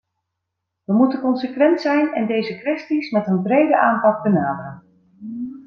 We moeten consequent zijn en deze kwesties met een brede aanpak benaderen.